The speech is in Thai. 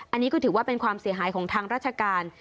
อันนี้ก็ถือว่าเป็นความเสียหายของทางราชการ